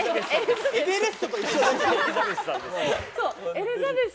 エリザベス！